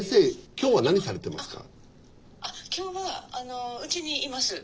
今日はうちにいます。